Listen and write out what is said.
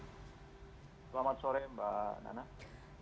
selamat sore mbak nana